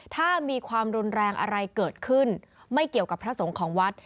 ถ้ามีความรุนแรงอะไรเกิดขึ้นไม่เกี่ยวกับพระสงฆ์ของวัด